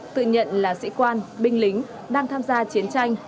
tự nhận là sĩ quan binh lính đang tham gia chiến tranh